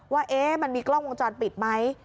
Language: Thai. ว่ามันมีกล้องวงจรปิดไหม